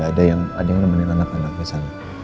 ada yang nemenin anak anak kesana